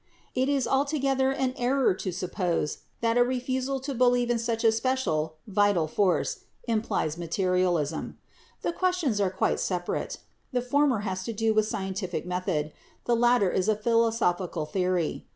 It is altogether an error to suppose that a refusal to believe in such a special 'vital force' implies materialism. The questions are quite sep arate; the former has to do with scientific method, the latter is a philosophical theory.